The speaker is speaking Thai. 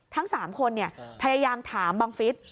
ทั้งสามคนเนี่ยพยายามถามบังฟิศ